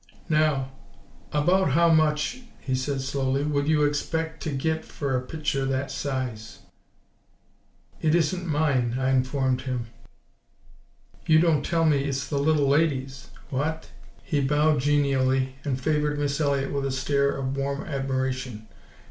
"Now, about how much," he said slowly, "would you expec' t' git f'r a pitcher that size?" "It isn't mine," I informed him. "You don't tell me it's the little lady's what?" He bowed genially and favoured Miss Elliott with a stare of warm admiration.